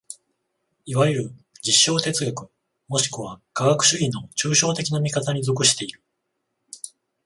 いわゆる実証哲学もしくは科学主義の抽象的な見方に属している。